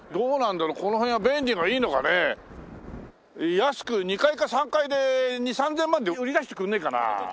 安く２階か３階で２０００３０００万で売り出してくれねえかな。